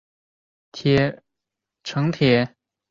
城铁在此设有伊萨尔门站。